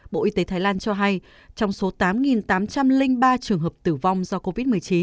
bộ y tế thái lan cho hay trong số tám tám trăm linh ba trường hợp tử vong do covid một mươi chín